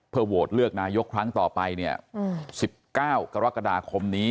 เพื่อโหวตเลือกนายกครั้งต่อไป๑๙กรกฎาคมนี้